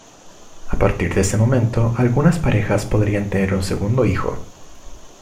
A partir de ese momento, algunas parejas podrían tener un segundo hijo.